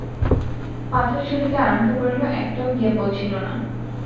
পাথর ছুঁড়িতে আরম্ভ করিল, একটাও গিয়া পৌঁছিল না।